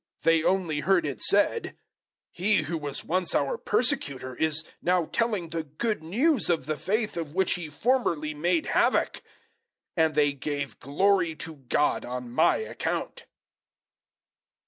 001:023 They only heard it said, "He who was once our persecutor is now telling the Good News of the faith of which he formerly made havoc." 001:024 And they gave glory to God on my account.